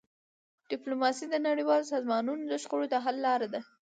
ډيپلوماسي د نړیوالو سازمانونو د شخړو د حل لاره ده.